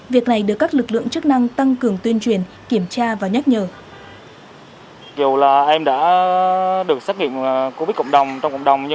việc này được các lực lượng chức năng tăng cường tuyên truyền kiểm tra và nhắc nhở